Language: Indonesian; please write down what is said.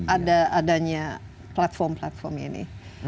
adanya platform platform ini